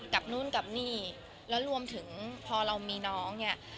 นู่นกับนี่แล้วรวมถึงพอเรามีน้องเนี่ย